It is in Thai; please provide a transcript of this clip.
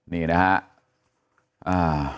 นี่นะครับ